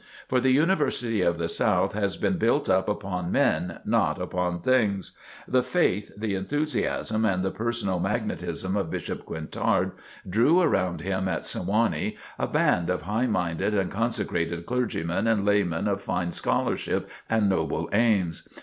For The University of the South "has been built up upon men, not upon things." The faith, the enthusiasm and the personal magnetism of Bishop Quintard drew around him at Sewanee a band of high minded and consecrated clergymen and laymen of fine scholarship and noble aims.